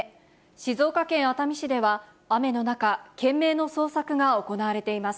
静岡県熱海市では雨の中、懸命の捜索が行われています。